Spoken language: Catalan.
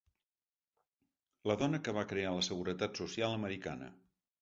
La dona que va crear la seguretat social americana.